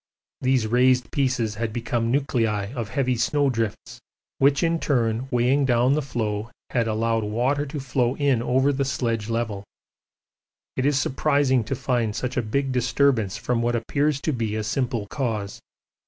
These raised pieces had become nuclei of heavy snow drifts, which in turn weighing down the floe had allowed water to flow in over the sledge level. It is surprising to find such a big disturbance from what appears to be a simple cause.